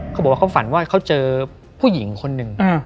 เขาบอกว่าเขาฝันว่าเขาเจอผู้หญิงคนหนึ่ง